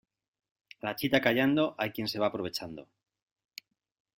A la chita callando, hay quien se va aprovechando.